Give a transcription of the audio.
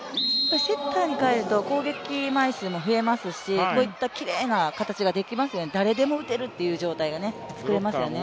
セッターに返ると攻撃枚数も増えますし、こういったきれいな形ができますよね、誰でも打てるという状況が作れますよね。